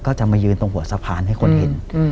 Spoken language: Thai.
ก็จะมายืนตรงหัวสะพานให้คนเห็น